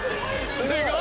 すごい！